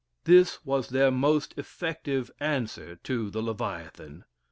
This was their most effective answer to the "Leviathan."